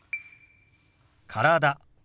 「体」。